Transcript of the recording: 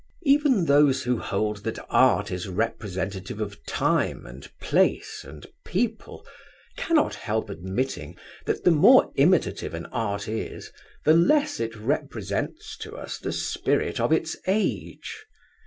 Even those who hold that Art is representative of time and place and people cannot help admitting that the more imitative an art is, the less it represents to us the spirit of its age.